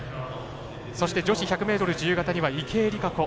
そして、女子１００ｍ自由形には池江璃花子